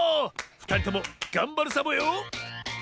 ふたりともがんばるサボよ。